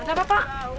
ada apa pak